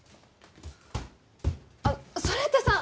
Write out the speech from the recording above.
あっそれってさ